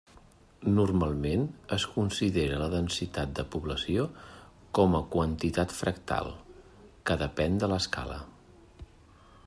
Normalment, es considera la densitat de població com a quantitat fractal, que depèn de l'escala.